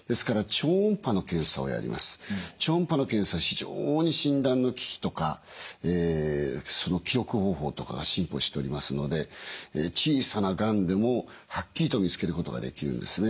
超音波の検査は非常に診断の機器とかその記録方法とかが進歩しておりますので小さながんでもはっきりと見つけることができるんですね。